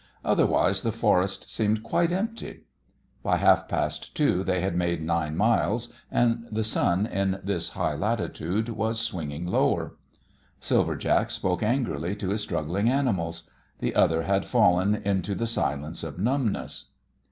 Otherwise the forest seemed quite empty. By half past two they had made nine miles, and the sun, in this high latitude, was swinging lower. Silver Jack spoke angrily to his struggling animals. The other had fallen into the silence of numbness.